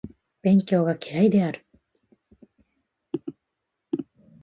勉強が嫌いである